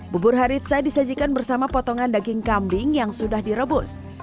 bubur haritsa disajikan bersama potongan daging kambing yang sudah direbus